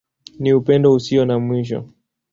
Ni Upendo Usio na Mwisho.